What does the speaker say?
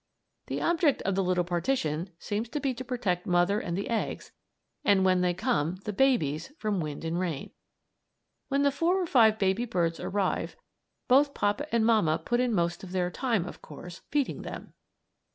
The object of the little partition seems to be to protect mother and the eggs and, when they come, the babies from wind and rain. When the four or five baby birds arrive both papa and mamma put in most of their time, of course, feeding them.